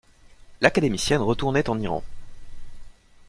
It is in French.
L'académicienne retournait en Iran.